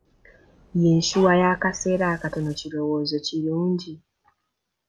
Yinsuwa y'akaseera akatono kirowoozo kirungi?